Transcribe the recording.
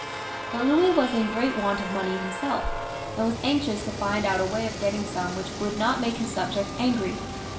But Louis was in great want of money himself, and was anxious to find out some way of getting some which would not make his subjects angry.